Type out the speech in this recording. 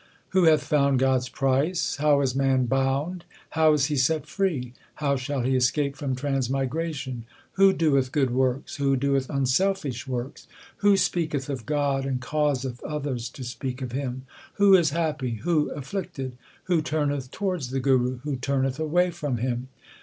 Who hath found God s price ? How is man bound ? How is he set free ? How shall he escape from transmigration ? Who doeth good works ? Who doeth unselfish works ? Who speaketh of God and causeth others to speak of Him ? Who is happy ? Who afflicted ? Who turneth towards the Guru ? Who turneth away from him